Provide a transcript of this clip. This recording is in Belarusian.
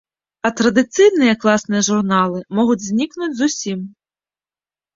А традыцыйныя класныя журналы могуць знікнуць зусім.